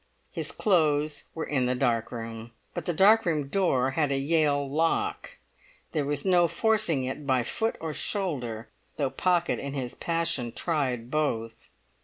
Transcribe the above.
His clothes were in the dark room. But the dark room door had a Yale lock; there was no forcing it by foot or shoulder, though Pocket in his passion tried both.